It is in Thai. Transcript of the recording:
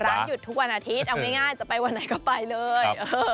หยุดทุกวันอาทิตย์เอาง่ายจะไปวันไหนก็ไปเลย